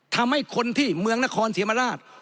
ทำให้คนที่เมืองนครศรีธรรมราช